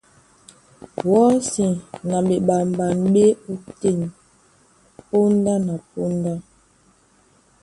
Wɔ́si na ɓeɓamɓan ɓá e ótên póndá na póndá.